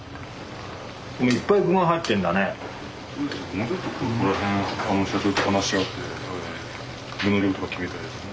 もうちょっとそこら辺社長と話し合って具の量とか決めたいですね。